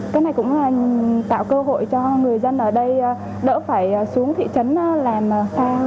cái này cũng tạo cơ hội cho người dân ở đây đỡ phải xuống thị trấn làm sao